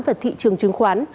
và thị trường trừng khoán